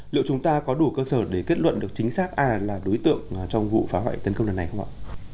liệu chúng ta có đủ cơ sở để kết luận được chính xác ai là đối tượng trong vụ phá hoại tấn công lần này không ạ